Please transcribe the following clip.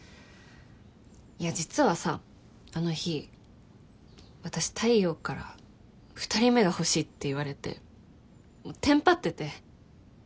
いや実はさあの日私太陽から２人目が欲しいって言われてテンパってて。